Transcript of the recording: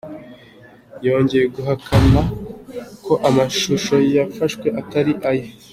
Yongeye guhakana ko amashusho yafashwe atari aye.